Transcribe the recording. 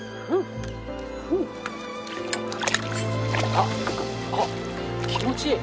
あっあっ気持ちいい。